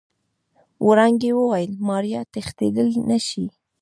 وړانګې وويل ماريا تښتېدل نشي.